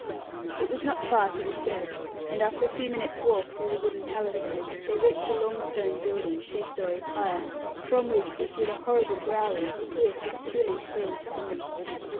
It was not far to the sheds, and after a few minutes' walk through the wooden palisades they reached a long stone building, two storeys high, from which issued a horrible growling, pierced with shrilly screamed songs.